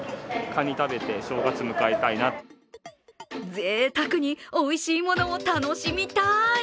ぜいたくにおいしいものを楽しみたい！